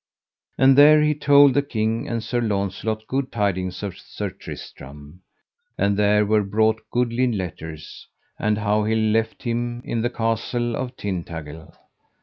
And there he told the king and Sir Launcelot good tidings of Sir Tristram, and there were brought goodly letters, and how he left him in the castle of Tintagil.